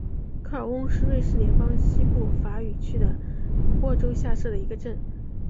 科尔翁是瑞士联邦西部法语区的沃州下设的一个镇。